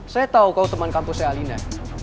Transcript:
saya tahu kau teman kampus saya alina